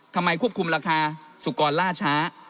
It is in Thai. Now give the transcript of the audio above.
ควบคุมราคาสุกรล่าช้า